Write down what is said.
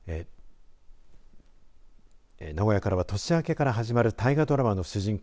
名古屋からは年明けから始まる大河ドラマの主人公